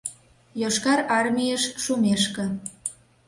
Йошкар Армийыш шумешке.